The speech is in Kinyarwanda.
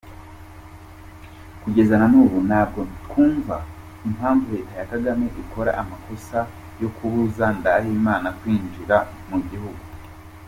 Kugeza nanubu ntabwo twumva impavu leta ya kagame ikora amakosa yokubuza ndahimana kwinjiramugihungu